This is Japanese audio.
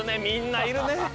みんないるね！